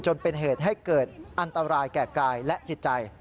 จนเป็นเหตุให้เกิดอันตรายแก่กายและจิตใจ